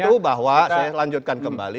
tentu bahwa saya lanjutkan kembali